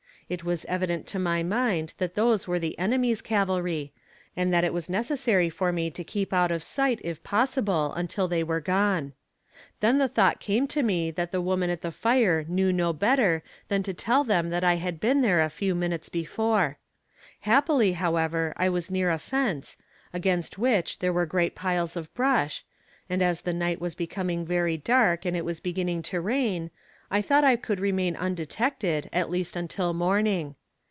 It was evident to my mind that those were the enemy's cavalry, and that it was necessary for me to keep out of sight if possible until they were gone. Then the thought came to me that the woman at the fire knew no better than to tell them that I had been there a few minutes before. Happily, however, I was near a fence, against which there were great piles of brush, and as the night was becoming very dark and it was beginning to rain, I thought I could remain undetected, at least until morning.